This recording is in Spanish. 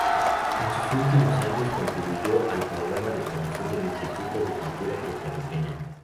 En sus últimos años, contribuyó al programa de promoción del Instituto de Cultura Puertorriqueña.